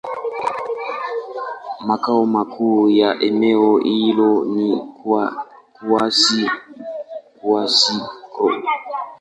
Makao makuu ya eneo hilo ni Kouassi-Kouassikro.